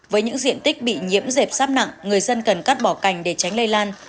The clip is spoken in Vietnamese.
với những diện tích bị nhiễm dẹp sắp nặng người dân cần cắt bỏ cành để tránh lây lan